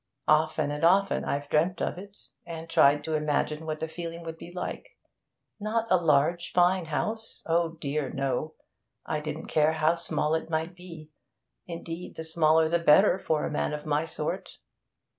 Often and often I've dreamt of it, and tried to imagine what the feeling would be like. Not a large, fine house oh dear, no! I didn't care how small it might be; indeed, the smaller the better for a man of my sort.